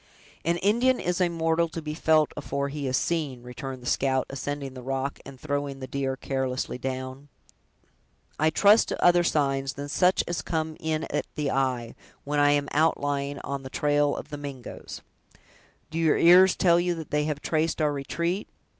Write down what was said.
"An Indian is a mortal to be felt afore he is seen," returned the scout, ascending the rock, and throwing the deer carelessly down. "I trust to other signs than such as come in at the eye, when I am outlying on the trail of the Mingoes." "Do your ears tell you that they have traced our retreat?"